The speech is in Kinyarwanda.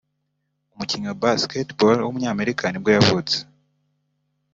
umukinnyi wa Basketball w’umunyamerika nibwo yavutse